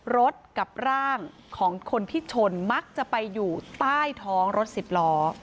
รถกับร่างของคนที่ชนมักจะไปอยู่ใต้ท้องรถสิบล้อ